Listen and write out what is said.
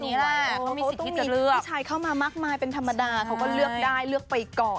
ต้องมีผู้ชายเข้ามามากมายเป็นธรรมดาเขาก็เลือกได้เลือกไปก่อน